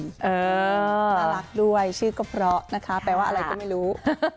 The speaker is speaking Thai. ตะลั๊กด้วยชื่อก็เพราะแปลว่าอะไรก็ไม่รู้